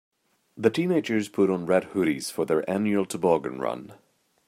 The teenagers put on red hoodies for their annual toboggan run.